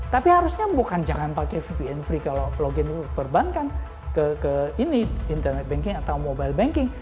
tapi harusnya bukan jangan pakai vpn free kalau login perbankan ke ini internet banking atau mobile banking